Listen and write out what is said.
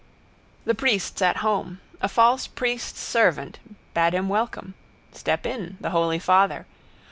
The priest's at home. A false priest's servant bade him welcome. Step in. The holy father.